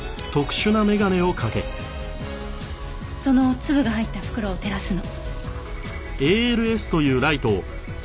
その粒が入った袋を照らすの。